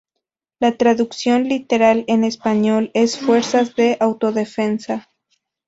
La traducción literal en español es Fuerzas de Autodefensa.